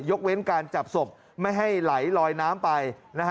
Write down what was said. เว้นการจับศพไม่ให้ไหลลอยน้ำไป